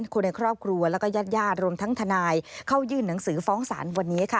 คนในครอบครัวและยาดรวมทั้งทนายเข้ายื่นหนังสือฟ้องสารวันนี้ค่ะ